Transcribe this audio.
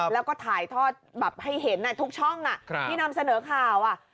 แล้วก็ถ่ายทอดแบบให้เห็นทุกช่องที่นำเสนอข่าว